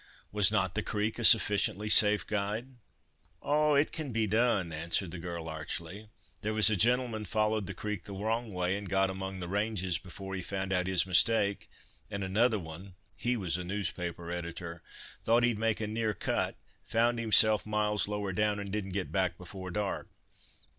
"Was not the creek a sufficiently safe guide?" "Oh! it can be done," answered the girl archly. "There was a gentleman followed the creek the wrong way, and got among the ranges before he found out his mistake; and another one—he was a newspaper editor—thought he'd make a near cut, found himself miles lower down, and didn't get back before dark.